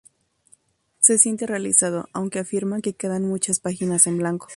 Se siente realizado, aunque afirma que quedan muchas páginas en blanco.